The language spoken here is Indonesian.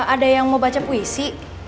ada yang mau baca puisi